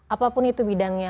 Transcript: apapun itu bidangnya